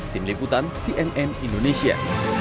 tim liputan cnn indonesia